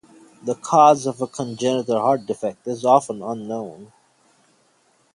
The cause of a congenital heart defect is often unknown.